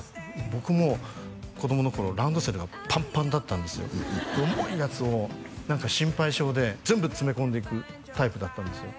僕も子供の頃ランドセルがパンパンだったんですよで重いやつを何か心配性で全部詰め込んでいくタイプだったんですよ